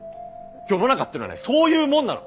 世の中ってのはねそういうもんなの！